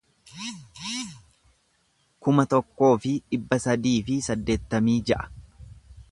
kuma tokkoo fi dhibba sadii fi saddeettamii ja'a